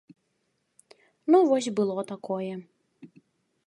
Ну вось было такое.